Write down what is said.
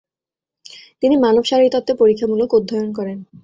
তিনি মানব শারীরতত্ত্বের পরীক্ষামূলক অধ্যয়ন করেন।